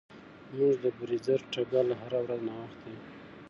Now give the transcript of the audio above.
زموږ د بریځر ټکله هره ورځ ناوخته وي.